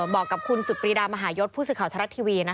บอกกับคุณสุดปรีดามหายศผู้สื่อข่าวไทยรัฐทีวี